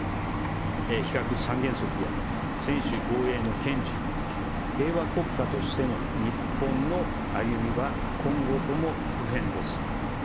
非核三原則や専守防衛の堅持平和国家としての日本の歩みは今後とも不変です。